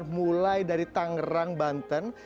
mulai dari tangerang banten